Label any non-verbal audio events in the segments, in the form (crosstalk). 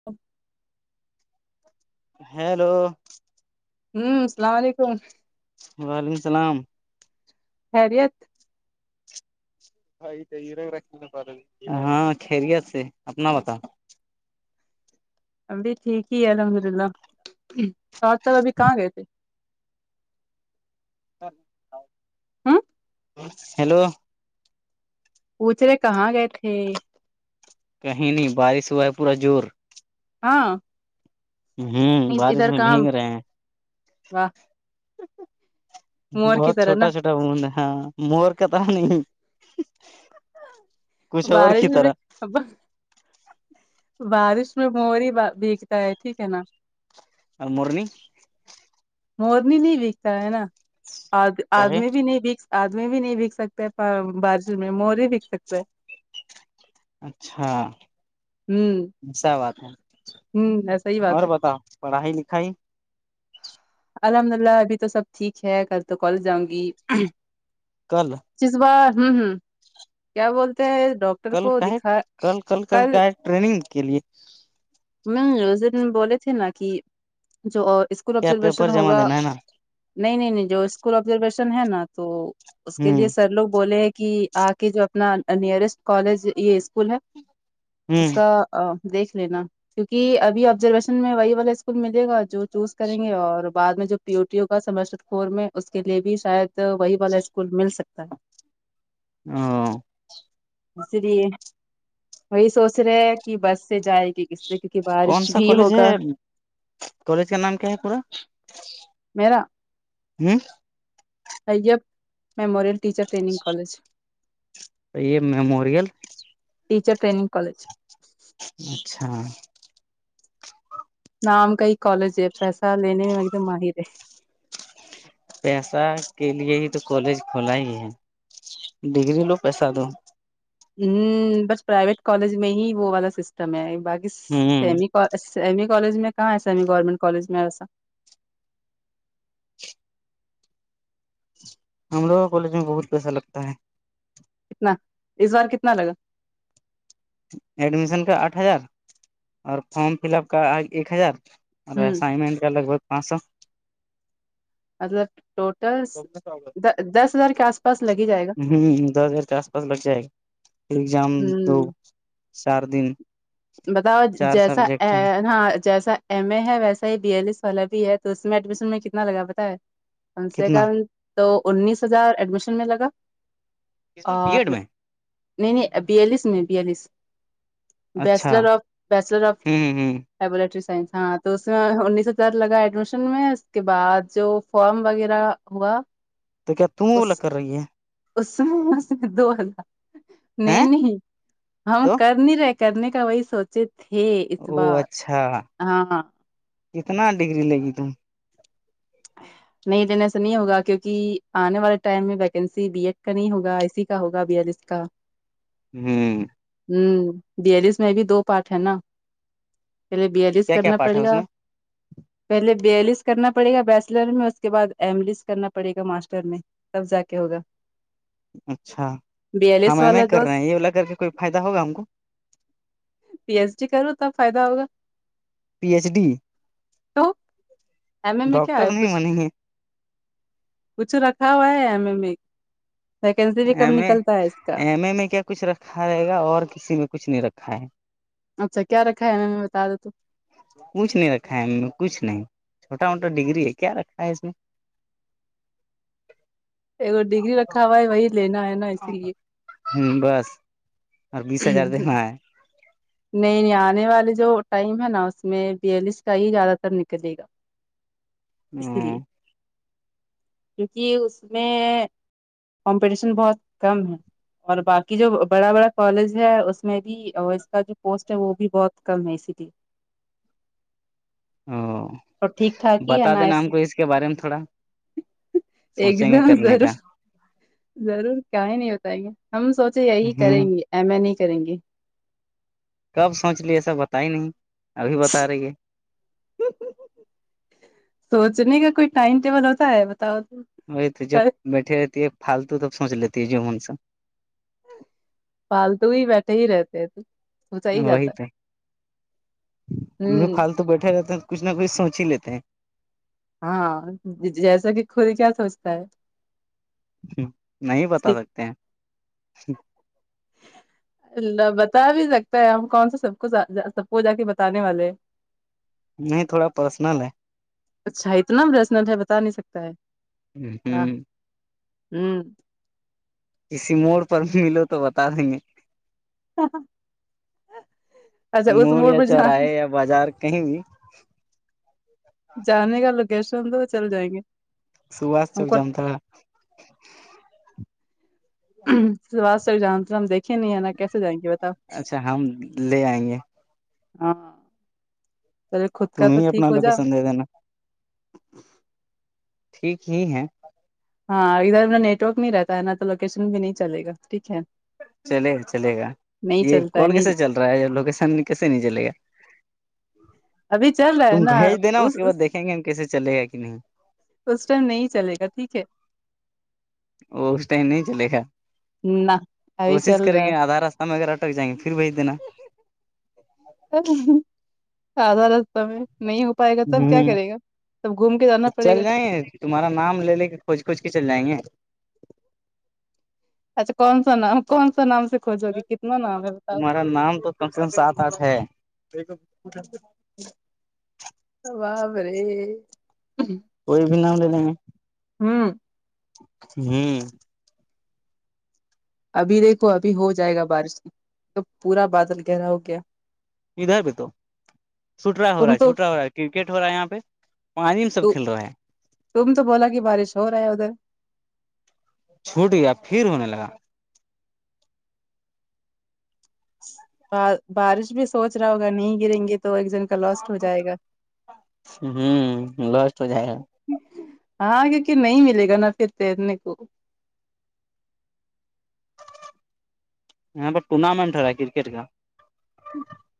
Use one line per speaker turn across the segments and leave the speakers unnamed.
(unintelligible)
hello
ہوں السلام علیکم
وعلیکم السلام
خیریت
ہاں خریت سے اپنا بتاؤ
ابھی ٹھیک ہی ہے الحمد للہ اور تب ابھی کہاں گئے تھے
ہ
ہاں
ہیلو
پوچھ رہے کہاں گئے تھے
کہیں نہیں بارش ہوا ہے پورا زور
ہاں
ہوں بارش
ادھر
میں
کام
بھیگ رہے ہیں
و کی
بہت
طرح
چھوٹا
نا
چھوٹا بند ہاں مور کات نہیں کچھ اور
بار
کی طرح
ج بارش میں مور بھیگتا ہے ٹھیک ہے نا
ال مورنی
مورنی نہیں وکتا ہے نا آ
کہے
آدمی بھی نہیںک آدمی بھی نہیں بک سکتا بارش میں مورے بک سکتا ہے
اچھا
ہوں
ایسا بات ہے
ہوں ایسا ہی
اور
بات ہے
بتاؤ پڑھائی لکھائی
الحمد للہ ابھی تو سب ٹھیک ہے کل تو کالج جاؤں گی
کل
پس بار ہوں ہوں کیا بولتے ہیں ڈاکٹ
کل کا ہے کل کل کل کا ہے ٹریننگ کے لیے
م ز بولے تھے نا کہ جو اسکول
کیا
آبزرویشن
پیپر جمع
ہوگا
دینا ہے نا
نہیں نہیں نہیں جو اسکول آبزرویشن ہے نا تو اس کے لیے
ہ
سر لوگ بولے ہیں کہ کہ آ کے جو اپنا نئرسٹ کالج یہ اسکول ہے اس
ہ
کا ا دیکھ لینا کیونکہ ابھی آبزرویشن میں وہی والا اسکول ملے گا جو چوز کریں گے اور بع میں جو پی اوٹی کا سمرور میں اس کے لیے بھی شاید وہی والا اسکول مل سکتا ہے
ہاں
اس لیے وہی سوچ رہے ہے کہ بس سے جائے گی اس سے کیونکہ
کون
بارش
سا
بھی
کالج ہے
ہوگا
کالج کا نام کیا ہے پورا
میرا
ہوں
اب میموریل ٹیچر ٹگ کالج
یہ میموریل
ٹیچر ٹگ کالج
اچھا
نام کا ہی کالج ہے پیسہ لینے میں ایک دم ماہر ہے
پیسہ کے لیے ہی تو کالج کھولا ہی ہے ڈگری لو پیسہ دو
ہ بس پرائیویٹ کالج میں ہی وہ والا سسٹم ہے باقی
ہوں
سی ایمی کالج میں کہاں ہےس ایمی گورنمنٹ کالج میں ایسا
ہم لوگوں کا کالج میں بہت پیسا لگتا ہے
کتنا اس بار کتنا لگا
ایڈمیشن کا آٹھ ہزار اور فارم فل اپ کا ایک ہزار اوررے
ہ
اسائنمنٹ کیا لگ بھگ پانچ سو
مطلب ٹوٹل
ہوں
دس ہزار کے آس پاس لگ ہی جائے گا
ہ دس ہزار کے آس پاس لگ جائے گا ایزام دو
ہ
چار دن
بتاؤ
چار
جیسا
سبجیکٹ ہیں
ہاں جیسا ایم اے ہے ویسا ہی بییالیس والا بھی ہے تو اس میں ایڈمیشن میں کتنا لگا بتا ہے کم سے
کتنا
کم تو انیس ہزار ایڈمیشن میں لگا
کس میں بی
اور
ایڈ میں
نہیں نہیں بیالیس میں بیالیس
اچھا
بیچلر آف بیچلر آف
ہوں ہ
لیبورٹری سائس ہاں تو اس میں انیس سو در لگا ایڈمیشن میں اس کے بعد جو فارم وغیرہ ہوا
تو کیا تم اولاگ
اس
کر رہی ہے
اس میں اس دو ہلہ
ہیں
نہیں نہیں ہم
تو
کر نہیں رہے کرنے کا وہی سوچ تھے اس
او
بار
اچھا
ہاں
کتنا ڈگری لگی ت
(unintelligible) نہیں دن ایسا نہیں ہوگا کیوںکہ آنے والے ٹائم میں ویکینسی بی ایڈ کا نہیں ہوگا ای کا ہوگا بی ایڈ ای کا (unintelligible)
ہوں
ہوں بیلس میں بھی دو پارٹ ہے نا پہلے بیالیس
کیا کیا
کرنا
پاٹ ہے
پڑے
اس
گا
میں
پہلے بیالیس کرنا پڑے گا ویسے میں اس کے بعد ایم لس کرنا پڑے گا ماسٹر میں تب جا کے ہوگا
اچھا
بی ایل
ہم
ایس
ایم آئی
والا
کر رہے
دوست
ہیں یہ واللا کر کے کوئی فائدہ ہوگا ہم کو
پی ایچ ڈی کرو تب فائدہ ہوگا
پی ایچ ڈی
تو ایم اے میں کیا
ڈاکٹر
ہے
نہیں
کچھ
بنیں گے
کچھ رکھا ہوا ہے ایم ایم ا ویکینسی بھی کم
ایم اے
نکلتا ہے اس کا
میں کیاچھ رکھ رکھا رہے گا اور کسی میں کچھ نہیں رکھا ہے
اچھا کیا رکھا ہے نے بتا تو
کچھ نہیں رکھا ہے کچھ نہیں چھوٹا موٹا ڈگری ہے کیا رکھا ہے اس نے
ایک ڈگری رکھا ہوا ہے وہی لینا ہے نا اسی لیے
ہوں بس اور بیس ہزار دینا
(unintelligible) نہیں نہیں آنے والے جو ٹائم ہے نا اس میں بیالیس کا ہی زیادہ تر نکلے گا اس
ہے
لیے کیونکہ اس میں کمپٹیشن بہت کم ہے اور باقی جو بڑا بڑا کالج ہے اس میں بھی اور اس کا جو پوسٹ ہے وہ بھی بہت کم ہے اسی لیے (unintelligible)
او
اور ٹھیک ٹھاک ہی ہے
بتا
نا
دینا ہم کو اس کے بارے میں تھوڑا
ایک
سوچیں گے
دم
کرنے
ضر
کا
ضرور کایں نہیں بتیں گے ہم سوچے یہی
ہ
کریں گے ایم ای نہیں کریں گی
کب سوچ لیے ای سب بتا ہی نہیں ابھی بتا رہی ہے
سوچنے کا کوئی ٹائم ٹیبل ہوتا ہے بتاؤ تم
وہی تو جب بیٹھے رہتی ہے فالتو تب سوچ لیتی ہے جن سا
پالتو ہی بیٹھے ہی رہتے ہیں تو سوچا ہی
وہی
جاتا ہے
تو ہم بھی
ہوں
پالتو بیٹھے رہتے ہیں کچھ نہ کچھ سوچ ہی لیتے ہیں
ہاں جیسا کہ خود کیا سوچتا ہے
ہ نہیں بتا سکتے ہیں
ال بتا بھی سکتا ہے ہم کون سا سب کو سب کو جا کے بتے والے ہیں
نہیں تھوڑا پرسنل ہے
اچھا اتنا بسنٹ ہے بتا نہیں سکتا ہے واہ
ہوں
ہوں
کسی موڑ پر ملو تو بتا دیں گے
اچھا اس موڑ
یا
پہ جان
چوراہے یا بازار کہیں بھی
جانے کا لوکیشن تو وہ چل جائیں گے
سباس
ہم
چوک
کو
جامتا تھا
جان ہم دیکھے نہیں ہے نا کیسے جائیں گے بتاؤ
اچھا ہم لے آئیں گے
ہاں چلے خود کا تو ٹھیک ہو جاؤ
(unintelligible) ا ٹھیک ہی ہیں
ہاں ادھر اھر نیٹ ورک نہیں رہتا ہے نہ تو لوکیشن بھی نہیں چلےا ٹھیک ہے
چلے گا چلے گا
نہیں
یہ
چلتا ہے
کال کیسے
نہیں
چل رہا ہے لوکیشن کیسے نہیں چلے گا
ابھی چل رہا
تم
ہے نا
بھیج دینا اس کے بعد دیکھیں گے ہم کیسے چلے گا کہ نہیں
اس ٹائم نہیں چلے گا ٹھیک ہے
وہ اس ٹائم نہیں چلے گا
نہ ابھی
کوشش
چل
کریں
رہا
گے
ہے
آدھ ر ہم اگر اٹکائیں گے پھر بھیج دینا
آدار تیں نہیں ہو پائے گا تب کیا
ہ
کرے گا تب گھوم کے جانا پڑے
چل
گا
جائیں گے تمہارا نام لے کے کھج کوج کے چل جائیں گے
اچھا کون سا نام کون سا نام سے کھوجو گی کتنا نام ہے بتاؤ
تمہارا نام تو کم سے کم سات آٹھ ہے
باب رے
کوئی بھی نام لے لیں گے
ہوں
ہوں
ابھی دیکھو ابھی ہو جائے گا بارش پورا بادل کہہ رہا ہو کیا
(unintelligible) چھٹا ہو رہا
تم
ہے
تو
چھوٹا ہو رہا ہے کرکٹ ہو رہا ہے یہاں پہ وہانم سب کھیل رہا ہے
تم تو بولا کہ بارش ہو رہا ہے ادھر
چھوٹ گیا پھر ہونے لگا
ب بارش بھی سوچ رہا ہوگا نہیں گریں گے تو ایک دن
ہوں لاسٹ ہو جائے گا
ہاں کیک نہیں ملے گا نا پھر تیرنے کو
یہاں پر ٹورنامنٹ ہو رہا ہے کرکٹ کا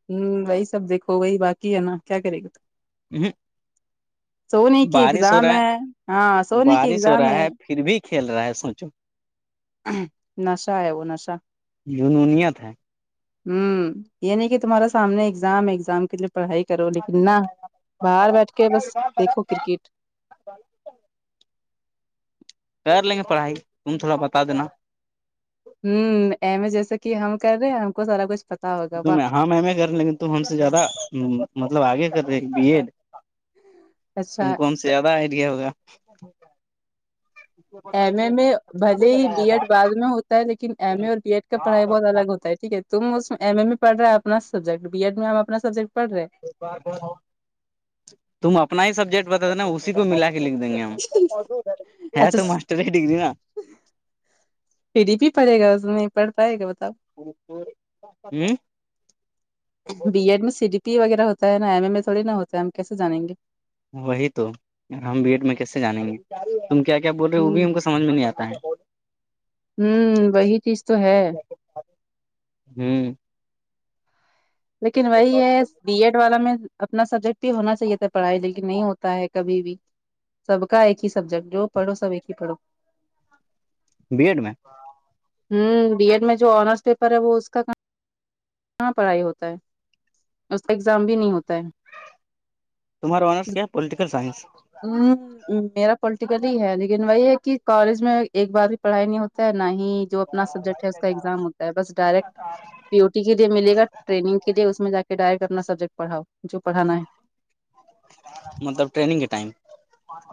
ہوں وہی سب دیکھو وہی باقی ہے نا کیا کرے گا
نہیں
سونے کی
بارش ہو
ایگزام
رہا
ہے ہاں سونے کی
بارش ہو
ایگزام
رہا ہے پھر بھی کھیل رہا ہے سوچو
نس ہے وہ نسا
جنونیت ہے
ہ یہ نہیں کہ تمارا سامنے ایکگزام ایکزام ک پڑھائی کرو لیکن نہ باہر بیٹھ کے بس دیکھو کرکٹ
کر لیں گے پڑھائی تم تھوڑا بتا دینا
ہوں ایم جیسے کہ ہم کر رہے ہم کو سارا کچھ پتا ہوگا واہ
ہاں میں ایم اے کر رہ لیکن ت ہم سے زیادہ مطلب آگے کر رہے بی ایڈ
اچھا
تم کو ہم سے زیادہ آئیڈیا ہوگا
ایم ا میں بھلے ہی بی ایڈ بعد میں ہوتا ہے لیکن ایم اے اور بی ایڈ کا پڑھائی بہت الگ ہوتا ہے ٹھیک ہے تم اس میں ایم اے میں پڑ رہا ہے اپنا سبجیکٹ بی ایڈ میں ہم اپنا سبجیکٹ پڑھے ہیں
تم اپنا ہی سبجیکٹ بتے نا اسی کو ملا کے لکھ دیں گے ہم
اچھا
تو
سی
ماسٹر ہی ڈگری نا
پھرری بھی پڑے گا اس میں پڑھ پائے گا بتاؤ
ہوں
بی ایڈ میں سی ڈی پی وغیرہ ہوتا ہے نا ایم اے میں تھوڑی نا ہوتا ہے ہم کیسے جانیں گے
وہی تو ہم بی ایڈ میں کیسے جانیں گے تم کیا کیا بول رہے ہو وہ بھی
ہوں
ہم کو سمجھ میں نہیں آتا ہے
ہوں وہی چیز تو ہے
(inaudible)
لیکن وہی ہے بی ایڈ والا میں اپنا سبجیکٹ بھی ہونا چاہیے تھا پڑھائی لیکن نہیں ہوتا ہے کبھی بھی سب کا ایک ہی سبجیکٹ جو پڑو سب ایک ہی پڑھو
بی ایڈ میں
ہوں بی ایڈ میں جو آنرس پیپر ہے وہ اس کام کہاں پڑھائی ہوتا ہے اس کا ایگزام بھی نہیں ہوتا ہے
تمہار آنر کیا پالیٹیک سائنس
ہم میرا پولٹیکلی ہے لیکن وہی ہے کہ کالج میں ایک بار بھی پڑھائی نہیں ہوتا ہے نہ ہی جو اپنا سبجیکٹ ہے اس کا ایگزام ہوتا ہے بس ڈائریکٹ پیو ٹی کے لیے ملے گا ٹریگ ے اس میں ج کے ڈائیکٹنابجیکٹ پڑاؤ جو پڑھانا ہے
مطلب ٹریننگ کے ٹائم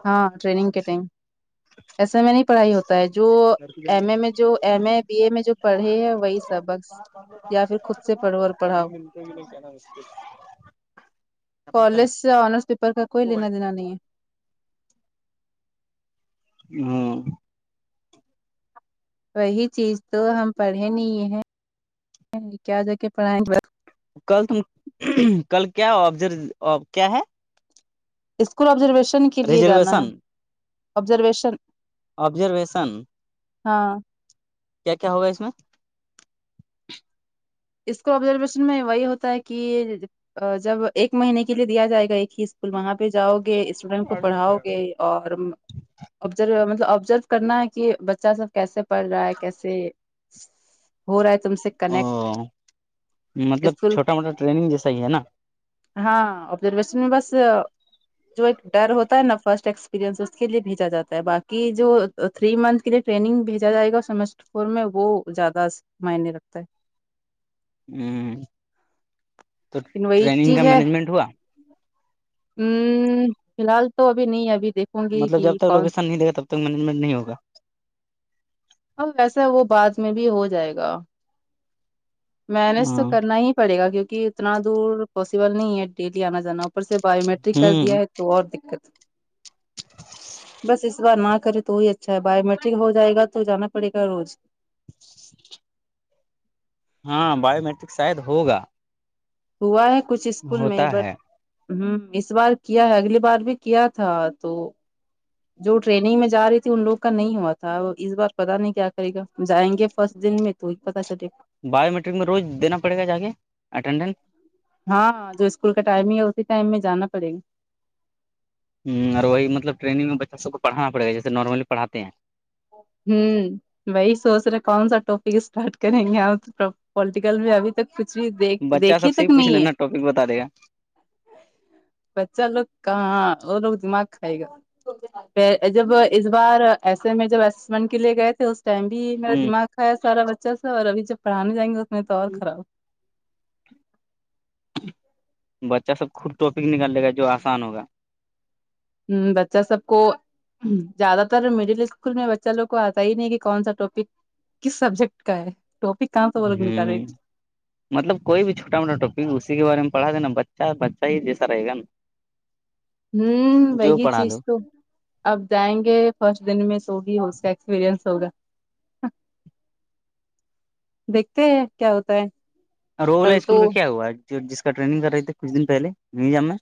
ہاں ٹرینگ کے ٹائم ایسے میں نہیں پڑھائی ہوتا ہے جو ایم ا میں جو ایم اے بی اے میں جو پڑھے ہیں وہی سبق یا پھر خود سے پڑھو اور پڑھاؤ
(unintelligible)
کالج سے آنرس پیپر کا کوئی لینا دینا نہیں ہے
(inaudible)
وہی چیز تو ہم پڑھے نہیں ہیں کیا جا کے پڑھیں
کل تم کل کیا آبزر کیا ہے
اسکول آبزرویشن کے لیے جانا ہے
ریزرویشن
آبزرویشن
ابزرویشن
ہاں
کیا کیا ہوگا اس میں
اس کو آبزرویشن میں وہی ہوتا ہے کہ جب ایک مہینے کے لیے دیا جائے گا ایک ہی اسکول وہاں پہ جاؤ گے اسٹوڈینٹ کو پڑھاؤ گے اور آبزرو مطلب آبزرو کرنا ہے کہ بچہ سب کیسے پڑھ رہا ہے کیسے ہو رہا ہے تم سے
او
کنیکٹ
مطلب
اسکول
چھوٹا موٹا ٹریننگ جیسا ہی ہے نا
ہاں ابزرویشن میں بس جو ایک ڈر ہوتا ہے نا فرسٹ ایکسپیرئنس اس کے لیے بھیجا جاتا ہے باقی جو تھری منتھ کے لیے ٹریننگ بھیجا جائے گا سیمسٹر فور میں وہ زیادہ معنی رکھتا ہے
ہوں تو
لیکن وہی
ٹریننگ کا
چیز ہے
مینجمنٹ ہوا
ہ فی الحال تو ابھی نہیں ابھی دیکھ
مطلب جب تک لوکشن نہیں دےا تب تک مینجمنٹ نہیں ہوگ
ا ویسا وہ بعد میں بھی ہو جائے گا مینج
ہاں
تو کرنا ہی پڑے گا کیوںکہ اتنا دور پاسبل نہیں ہے ڈیلی آنا جانا ر سے بایو میٹرک کر دیا
ہوں
ہے تو اور دقت بس اس بار نہ کرے تو ہی اچھا ہے بایومیٹرک ہو جائے گا تو جانا پڑے گا روز
ہاں باو مٹرک شاید ہوگا
ہوا ہے کچھ اسکول میں
ہوتا
بٹ
ہے
ہوں اس بار کیا ہے اگلی بار بھی کیا تھا تو جو ٹریننگ میں جا رہی تھی ان لوگ کا نہیں ہوا تھا اس بار پتا نہیں کیا کرے گا جائیں گے فرسٹ دن میں تو پتا چلے گا
باو ممیٹرک میں روز دینا پڑے گا جا کے اٹینڈنس
ہاں جو اسکول کا ٹائمنگ ہے اسی ٹائم میں جانا پڑے گا
ہ اور وہی مطل رینگ میں بچہ س کو پھانا پے گا جیسے نارملی پڑاتے ہیں
ہم بی سوچ رہے کون سا ٹاپک اسٹارٹ کریں گے آپ پلیٹیکل بھی ابھی تک کچلی
ہیں
دیکھ
بچہ
دیکھھیے
سب سے ہی
تک
پوچھ
نہیں ہے
لینا ٹاپک بتا دے گا
بچہ لوگ کہاں وہ لوگ دماغ کھائے گا جب اس بار ایسا اس میں جب اسسمینٹ کے لیے گئے تھے اس ٹائم بھی میرا
ہ
دماغ کھیا سارا بچہ سے اورب جب پڑانے جائیں گے نہیں تو اور خراب
بچہ سب خود ٹاپک نکال لے گا جو آسان ہوگا
ہ بچہ سب کو زیاد تر مڈل اسکول میں بچہ لوگ کو آتا ہی نہیں کہ کون سا ٹاپک کس سبجیکٹ کا ہے ٹاپک کہاں سے وہ لوگ نکالے
ہوں مطلب کوئی بھی چھٹا موٹا ٹپک اسی کے بارے میں پڑا دینا بچہ بچہ ہی جیساے گا
ہوں
جو
وہی
پڑھا
چیز
دو
تو اب جائیں گے فرسٹ دن میں س ہوگی اس کا ایکسپیرئنس ہوگا دیکھتے ہیں کیا ہوتا ہے
رولا
کل
اسکول
تو
کا کیا ہوا جو جس کا ٹریننگ کر رہے تھے کچھ دن پہے نہیں جاما میں